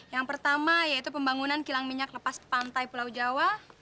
yang pertama yaitu pembangunan kilang minyak lepas pantai pulau jawa